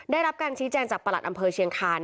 ได้รับการชี้แจงจากประหลัดอำเภอเชียงคาน